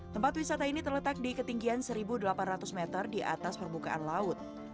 tempat wisata ini terletak di ketinggian satu delapan ratus meter di atas permukaan laut